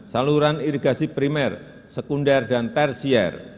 saluran irigasi primer sekunder dan tersier